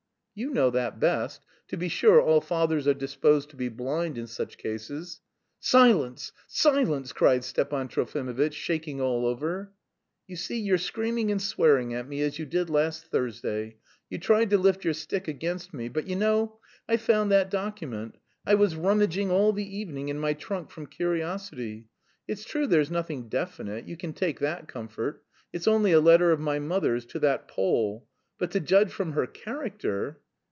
"You know that best. To be sure all fathers are disposed to be blind in such cases." "Silence! Silence!" cried Stepan Trofimovitch, shaking all over. "You see you're screaming and swearing at me as you did last Thursday. You tried to lift your stick against me, but you know, I found that document. I was rummaging all the evening in my trunk from curiosity. It's true there's nothing definite, you can take that comfort. It's only a letter of my mother's to that Pole. But to judge from her character..."